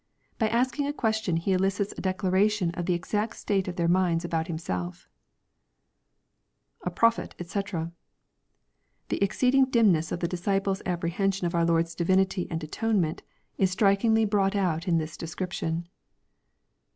By asking a question He elicits a declaration of the exact state of their minds about Himself* [A prophetj <kc.] The exceeding dimness of the disciples' appre hension of our Lord's divinity and atonement, is strikingly brought out in this description.